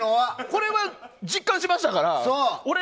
これは、実感しましたから。